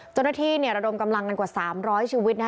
จุดหน้าที่ระดมกำลังกว่า๓๐๐ชีวิตนะ